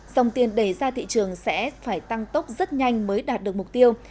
dòng tiền đẩy ra thị trường sẽ phải tăng tốc rất nhanh mới đạt được mục tiêu